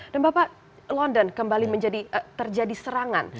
dan bapak london kembali menjadi terjadi serangan